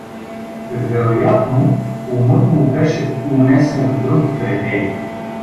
Вероятно, умът му беше унесен в други предели.